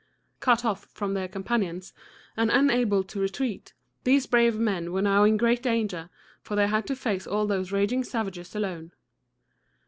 Cut off from their companions, and unable to retreat, these brave men were now in great danger, for they had to face all those raging savages alone.